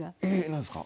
何ですか？